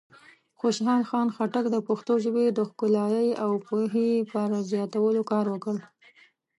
خوشحال خان خټک د پښتو ژبې د ښکلایۍ او پوهې پر زیاتولو کار وکړ.